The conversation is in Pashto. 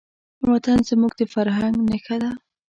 وطن زموږ د فرهنګ نښه ده.